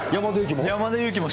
山田裕貴も？